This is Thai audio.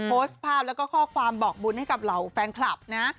โพสต์ภาพแล้วก็ข้อความบอกบุญให้กับเหล่าแฟนคลับนะ